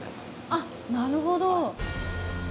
あなるほど。